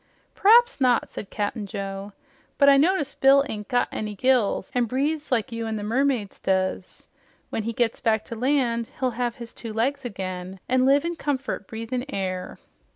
"P'raps not," said Cap'n Joe, "but I notice Bill ain't got any gills an' breathes like you an' the mermaids does. When he gets back to land, he'll have his two legs again an' live in comfort breathin' air."